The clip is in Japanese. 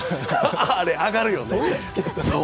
あれ、上がるよね。